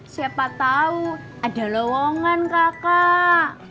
siapa tahu ada lowongan kakak